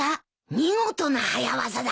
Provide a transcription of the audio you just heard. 見事な早業だ。